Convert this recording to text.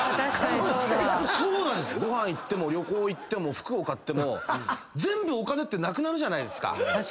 ご飯行っても旅行行っても服を買っても全部お金ってなくなるじゃないですか。